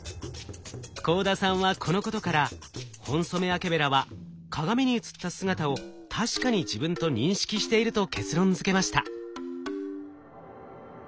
幸田さんはこのことからホンソメワケベラは鏡に映った姿を確かに自分と認識していると結論づけました。